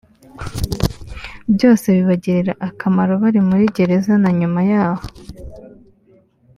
byose bibagirira akamaro bari muri gereza na nyuma yaho